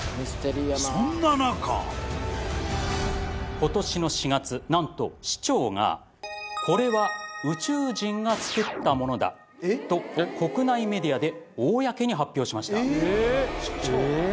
今年の４月何と市長がこれは「宇宙人が造ったものだ」と国内メディアで公に発表しました。